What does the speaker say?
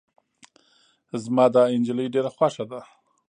زما دا نجلی ډیره خوښه ده.